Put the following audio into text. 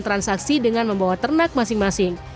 transaksi dengan membawa ternak masing masing